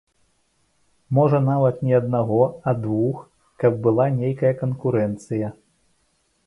Можа, нават не аднаго, а двух, каб была нейкая канкурэнцыя.